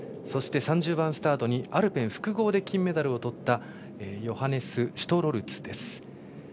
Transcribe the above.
そして３０番スタートにアルペン複合で金メダルをとったヨハネス・シュトロルツです。